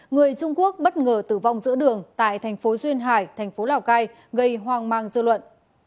người trung quốc bất ngờ tử vong giữa đường tại thành phố duyên hải thành phố lào cai gây hoang mang dư luận